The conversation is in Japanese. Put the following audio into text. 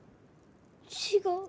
違う。